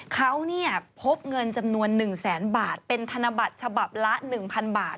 เขาพบเงินจำนวน๑แสนบาทเป็นธนบัตรฉบับละ๑๐๐๐บาท